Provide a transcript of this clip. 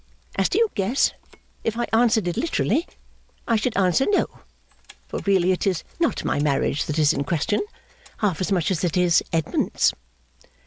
As to your guess, if I answered it literally, I should answer no. For really it is not my marriage that is in question, half as much as it is Edmund's.